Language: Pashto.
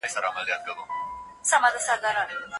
موږ باید د پخلنځي وسایل تل پاک وساتو.